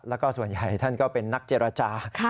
แล้วก็ส่วนใหญ่ท่านก็เป็นนักเจรจา